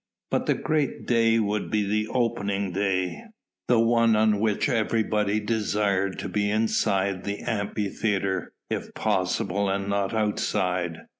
But the great day would be the opening day, the one on which everybody desired to be inside the Amphitheatre if possible and not outside.